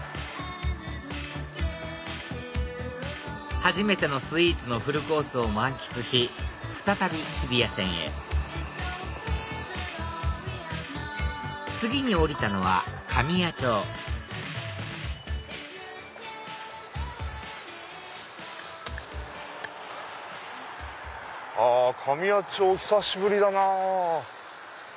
初めてのスイーツのフルコースを満喫し再び日比谷線へ次に降りたのは神谷町神谷町久しぶりだなぁ。